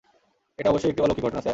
এটা অবশ্যই একটি অলৌকিক ঘটনা, স্যার।